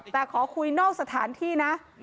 แต่ขอคุยนอกสถานที่นะ